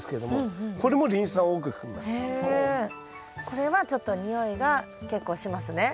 これはちょっと臭いが結構しますね。